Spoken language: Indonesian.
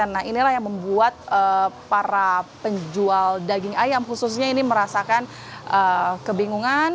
nah inilah yang membuat para penjual daging ayam khususnya ini merasakan kebingungan